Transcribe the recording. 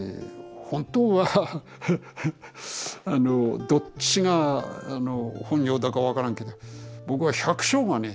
本当はあのどっちが本業だか分からんけど僕は百姓がね